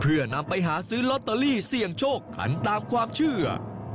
เพื่อนำไปหาซื้อลอตเตอรี่เสี่ยงโชคกันตามความเชื่อ